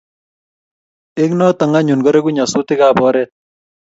eng notok anyun koregu nyasutik ab oret